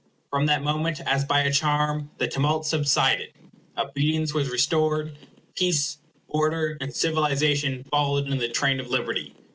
From that moment, as by a charm, the tumults subsided; obedience was restored; peace, order, and civilization followed in the train of liberty.